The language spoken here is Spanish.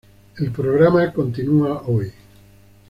El programa continúa hoy.